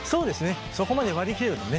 そこまで割り切れるとね。